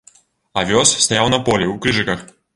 Авёс стаяў на полі ў крыжыках.